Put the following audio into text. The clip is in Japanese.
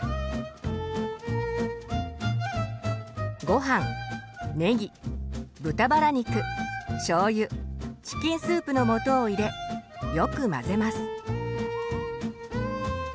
ごはんねぎ豚バラ肉しょうゆチキンスープの素を入れよく混ぜます。